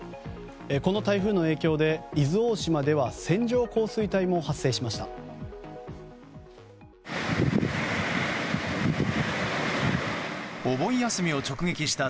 この台風の影響で伊豆大島では線状降水帯も発生しました。